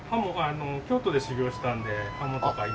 京都で修業したんで鱧とか今。